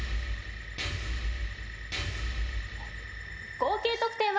合計得点は。